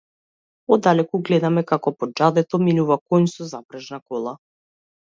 Оддалеку гледаме како по џадето минува коњ со запрежна кола.